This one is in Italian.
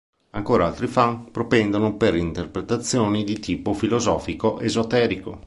Ancora altri fan propendono per interpretazioni di tipo filosofico-esoterico.